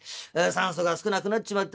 酸素が少なくなっちまってな